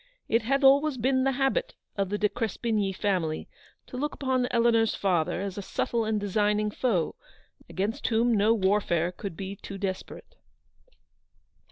It had always been the habit of the De Crespigny family to look upon Eleanor's father as a subtle and designing foe, against whom no warfare could be too desperate.